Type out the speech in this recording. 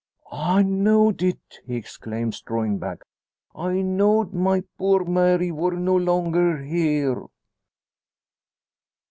"I know'd it!" he exclaims, drawing back. "I know'd my poor Mary wor no longer here!"